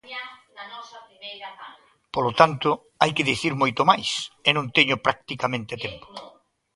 Polo tanto, hai que dicir moito máis e non teño practicamente tempo.